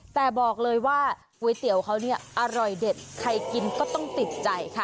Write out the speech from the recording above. แต่บอกเลยว่าก๋วยเตี๋ยวเขาเนี่ยอร่อยเด็ดใครกินก็ต้องติดใจค่ะ